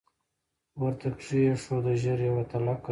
ورته کښې یې ښوده ژر یوه تلکه